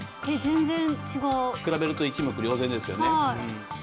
全然違う比べると一目瞭然ですよね